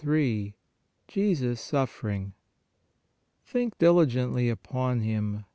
JESUS SUFFERING "Think diligently upon Him